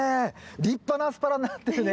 立派なアスパラになってるね。